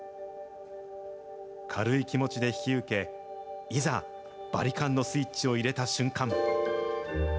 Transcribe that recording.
軽い気持ちで引き受け、いざ、バリカンのスイッチを入れた瞬間。